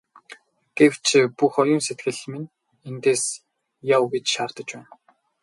Гэвч бүх оюун сэтгэл минь эндээс яв гэж шаардаж байна.